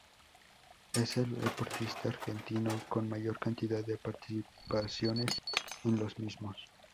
Es el deportista argentino con mayor cantidad de participaciones en los mismos.